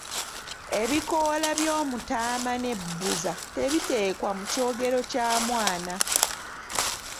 Ebikoola by'omutaama ne bbuza tebiteekwa mu kyogero kya mwana.